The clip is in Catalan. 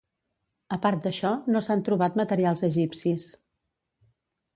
A part d'això no s'han trobat materials egipcis.